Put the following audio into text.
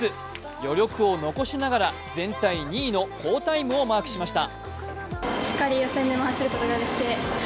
余力を残しながら全体２位の好タイムをマークしました。